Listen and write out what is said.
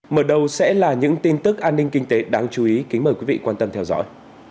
mở đầu sẽ là những tin tức an ninh kinh tế đáng chú ý kính mời quý vị quan tâm theo dõi